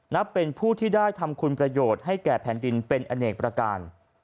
นับเป็นผู้ที่ได้ทำคุณประโยชน์ให้แก่แผ่นดินเป็นอเนกประการ